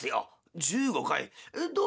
「１５回どうして？」。